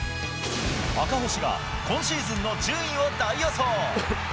赤星が今シーズンの順位を大予想。